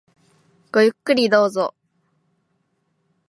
ごゆっくりどうぞ。